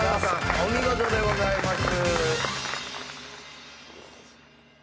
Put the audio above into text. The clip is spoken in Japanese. お見事でございます。